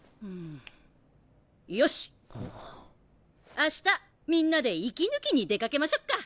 明日みんなで息抜きに出かけましょっか！